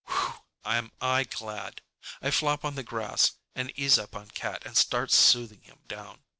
Whew—am I glad! I flop on the grass and ease up on Cat and start soothing him down.